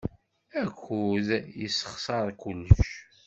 Akud yessexṣar kullec.